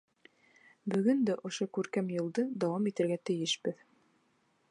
Бөгөн дә ошо күркәм юлды дауам итергә тейешбеҙ.